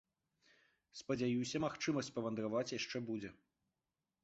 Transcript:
Спадзяюся, магчымасць павандраваць яшчэ будзе.